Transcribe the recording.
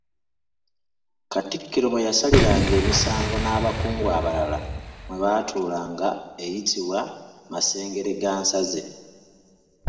Katikkiro mwe yasaliranga emisango n’abakungu abalala mwe baatuulanga eyitibwa Masengeregansaze.